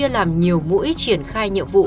làm nhiều mũi triển khai nhiệm vụ